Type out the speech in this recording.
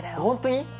本当に？